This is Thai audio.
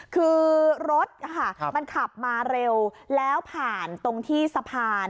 คือรถมันขับมาเร็วแล้วผ่านตรงที่สะพาน